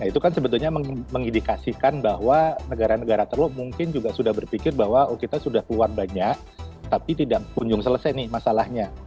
itu kan sebetulnya mengindikasikan bahwa negara negara teluk mungkin juga sudah berpikir bahwa oh kita sudah keluar banyak tapi tidak kunjung selesai nih masalahnya